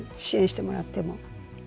支援してもらっても。